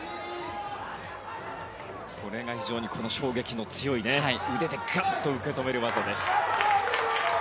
非常に衝撃の強い腕でガッと受け止める技です。